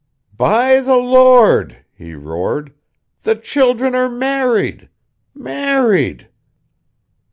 "By the Lord," he roared. "The children are married. Married...."